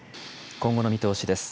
今後の見通しです。